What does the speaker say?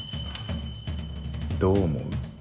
どう思う？